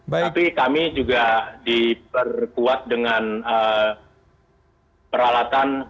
tapi kami juga diperkuat dengan peralatan